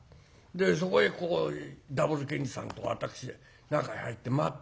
でそこへこうＷけんじさんと私で中へ入って待って。